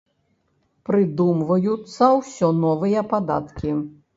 Прыдумваюцца ўсё новыя падаткі.